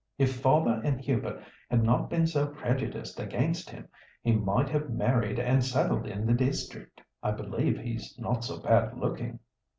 If father and Hubert had not been so prejudiced against him, he might have married and settled in the district. I believe he's not so bad looking."